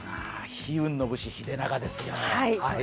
悲運の武士、秀長ですよ。